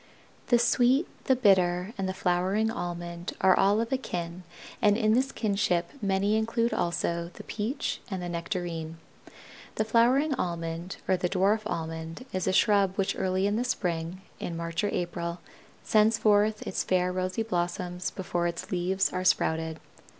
The Sweet, the Bitter, and the Flowering Almond are all of a kin and in this kinship many include also the Peach and the Nectarine. The Flowering Almond or the dwarf Almond is a shrub which early in the spring, in March or April, sends forth its fair rosy blossoms before its leaves are sprouted.